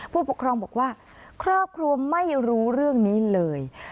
ผู้ปกครองบอกว่าครอบครัวไม่รู้เรื่องนี้เลย